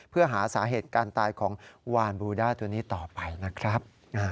เพื่อหาสาเหตุการตายของวานบูด้าตัวนี้ต่อไปนะครับ